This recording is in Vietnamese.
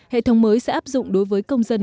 hệ thống mới sẽ áp dụng đối với công dân